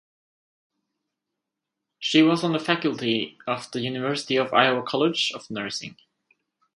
She was on the faculty of the University of Iowa College of Nursing.